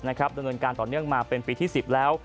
ดำเนินการต่อเนื่องมาเป็นปีที่๑๐แล้ว